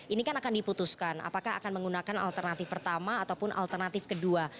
ini kan akan diputuskan apakah akan menggunakan alternatif pertama ataupun alternatif kedua